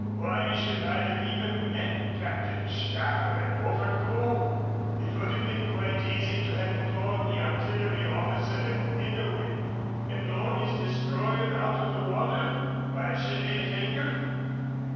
Why should I have even met Captain Stammer at Beaufort Cove? It would have been quite easy to have informed the artillery officer at Innerwick and blown his destroyer out of the water while she lay at anchor?